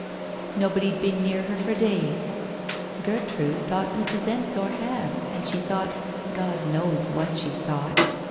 Nobody'd been near her for days. Gertrude thought Mrs. Ensor had, and she thought — God knows what she thought!"